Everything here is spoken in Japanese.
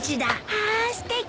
わあすてき！